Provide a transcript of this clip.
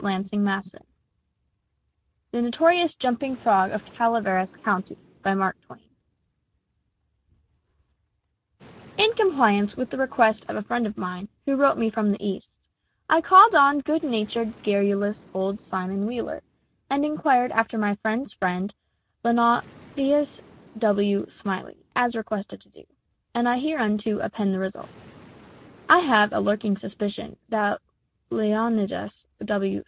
MARK TWAIN THE NOTORIOUS JUMPING FROG OF CALAVERAS COUNTY[B] In compliance with the request of a friend of mine, who wrote me from the East, I called on good natured, garrulous old Simon Wheeler, and inquired after my friend's friend, Leonidas W. Smiley, as requested to do, and I hereunto append the result. I have a lurking suspicion that Leonidas W.